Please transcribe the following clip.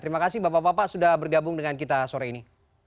terima kasih bapak bapak sudah bergabung dengan kita sore ini